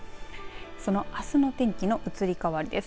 そのあすの天気の移り変わりです。